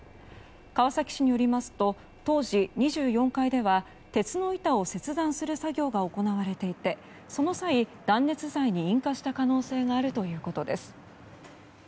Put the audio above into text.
川崎市によりますと当時、２４階では鉄の板を切断する作業が行われていてその際、断熱材に引火した可能性があるということです。